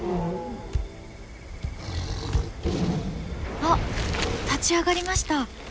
あっ立ち上がりました。